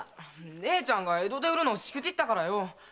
姉ちゃんが江戸で売るのしくじったからよ。